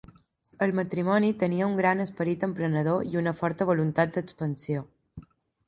El matrimoni tenia un gran esperit emprenedor i una forta voluntat d'expansió.